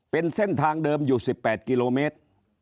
เป็นเส้นทางเดิมอยู่๑๘กิโลเมตร